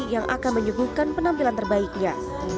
yang akan menyuguhkan penampilan terbaiknya